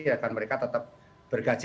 agar mereka tetap bergaji